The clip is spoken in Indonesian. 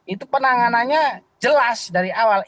itu penanganannya jelas dari awal